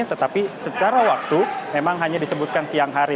tetapi secara waktu memang hanya disebutkan siang hari